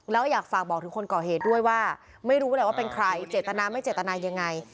แล้วอยากฝากบอกถึงคนก่อเหตุด้วยว่าไม่รู้แหละว่าเป็นใครเจตนาไม่เจตนายังไง